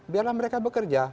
biarlah mereka bekerja